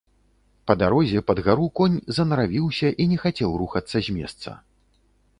Па дарозе, пад гару, конь занаравіўся і не хацеў рухацца з месца.